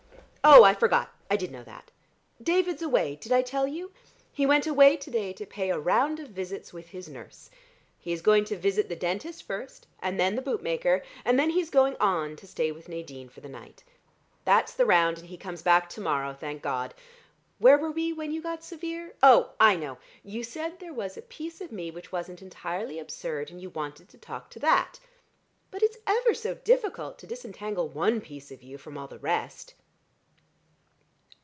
Oh, I forgot: I did know that. David's away, did I tell you? He went away to day to pay a round of visits with his nurse. He is going to visit the dentist first and then the bootmaker, and then he's 'going on' to stay with Nadine for the night. That's the round, and he comes back to morrow, thank God. Where were we when you got severe? Oh, I know. You said there was a piece of me which wasn't entirely absurd, and you wanted to talk to that. But it's ever so difficult to disentangle one piece of you from all the rest."